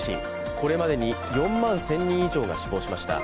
これまでに４万１０００人以上が死亡しました。